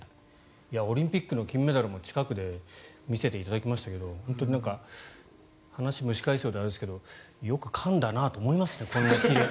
オリンピックの金メダルも近くで見せていただきましたけど話を蒸し返すようであれですけどよくかんだなと思いますね。